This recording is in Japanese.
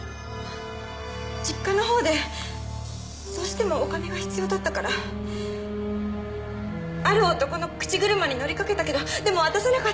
実家の方でどうしてもお金が必要だったからある男の口車に乗り掛けたけどでも渡さなかった。